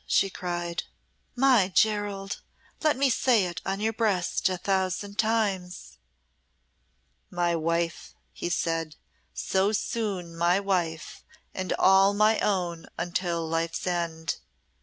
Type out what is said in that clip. she cried. "My Gerald let me say it on your breast a thousand times!" "My wife!" he said "so soon my wife and all my own until life's end."